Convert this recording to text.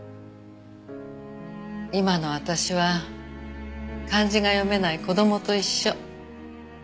今の私は漢字が読めない子供と一緒。